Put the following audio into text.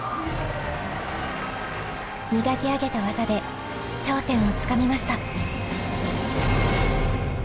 磨き上げた技で頂点をつかみました。